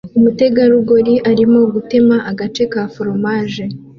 Umutegarugori arimo gutema agace ka foromaje